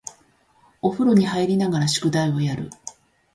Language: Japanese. お風呂に入りながら宿題をやる